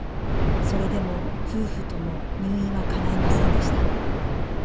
それでも夫婦とも入院はかないませんでした。